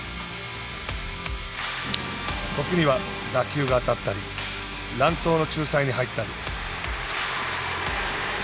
時には打球が当たったり乱闘の仲裁に入ったり。